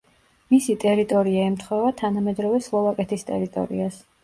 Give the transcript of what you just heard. მისი ტერიტორია ემთხვევა თანამედროვე სლოვაკეთის ტერიტორიას.